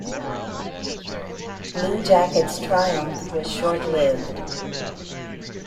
Blue Jacket's triumph was short-lived.